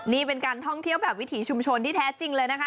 นี่เป็นการท่องเที่ยวแบบวิถีชุมชนที่แท้จริงเลยนะคะ